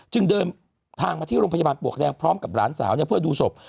จึงเดินทางมาที่โรงพยาบาลปลวกแดงพร้อมกับหลานสาวเพื่อดูศพ